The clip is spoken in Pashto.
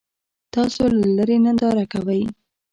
تاسو له لرې ننداره کوئ.